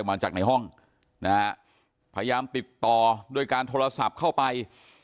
มาจากในห้องนะฮะพยายามติดต่อด้วยการโทรศัพท์เข้าไป